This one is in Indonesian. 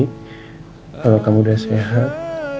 kalo kamu udah sehat